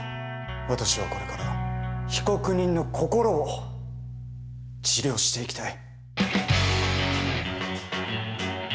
私は、これから被告人の心を治療していきたい。